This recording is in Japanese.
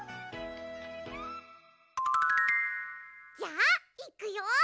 じゃあいくよ！